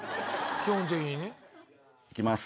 基本的にね。いきます。